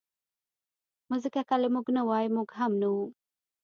مځکه که له موږ نه وای، موږ هم نه وو.